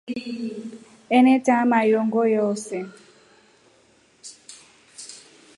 Enetaha mayoongo yoose.